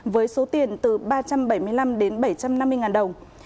với số tiền từ ba trăm bảy mươi năm đến bảy trăm năm mươi ngàn đồng